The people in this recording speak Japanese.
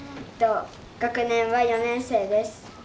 学年は４年生です。